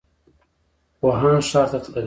ووهان ښار ته تللی و.